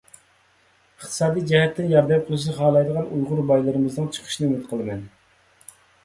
ئىقتىسادىي جەھەتتىن ياردەم قىلىشنى خالايدىغان ئۇيغۇر بايلىرىمىزنىڭ چىقىشىنى ئۈمىد قىلىمەن.